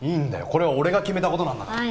これは俺が決めた事なんだから。